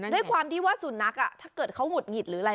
ด้วยความที่ว่าสุนัขถ้าเกิดเขาหงุดหงิดหรืออะไร